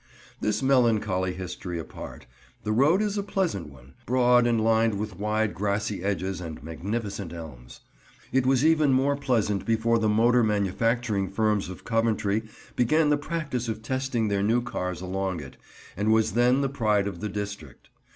This melancholy history apart, the road is a pleasant one; broad, and lined with wide grassy edges and magnificent elms. It was even more pleasant before the motor manufacturing firms of Coventry began the practice of testing their new cars along it, and was then the pride of the district.